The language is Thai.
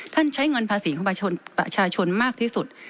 ท่านใช้เงินภาษีของภาชาชนมากที่สุด